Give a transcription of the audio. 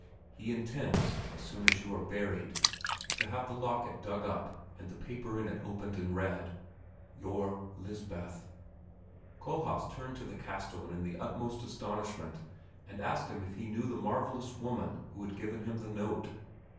He intends, as soon as you are buried, to have the locket dug up and the paper in it opened and read. Your Lisbeth." Kohlhaas turned to the castellan in the utmost astonishment and asked him if he knew the marvelous woman who had given him the note.